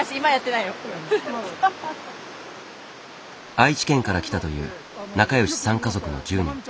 愛知県から来たという仲よし３家族の１０人。